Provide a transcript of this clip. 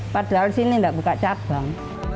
padahal sini tidak buka cabang